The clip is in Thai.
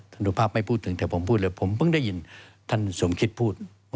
นุภาพไม่พูดถึงแต่ผมพูดเลยผมเพิ่งได้ยินท่านสมคิดพูด